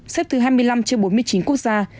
xếp thứ hai mươi năm trên bốn mươi chín quốc gia